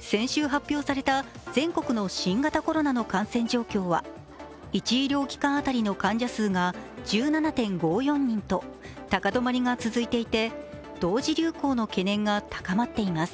先週発表された全国の新型コロナの感染状況は１医療機関当たりの患者数が１７．５４人と高止まりが続いていて同時流行の懸念が高まっています。